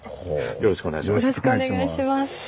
よろしくお願いします。